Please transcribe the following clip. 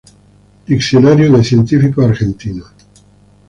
Diccionario de científicos argentinos Dra.